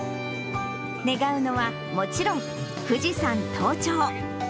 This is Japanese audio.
願うのは、もちろん富士山登頂。